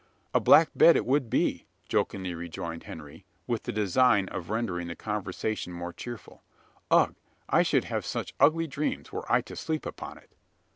"A black bed it would be," jokingly rejoined Henry, with the design of rendering the conversation more cheerful. "Ugh! I should have such ugly dreams, were I to sleep upon it."